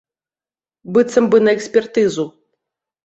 Быццам бы на экспертызу.